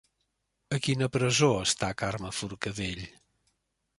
A quina presó està Carme Forcadell?